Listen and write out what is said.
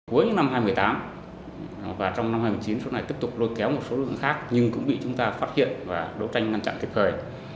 cuối năm hai nghìn một mươi tám và trong năm hai nghìn một mươi chín số này tiếp tục lôi kéo một số lượng khác nhưng cũng bị chúng ta phát hiện và đấu tranh ngăn chặn tiếp cười